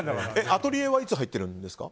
アトリエはいつ入ってるんですか？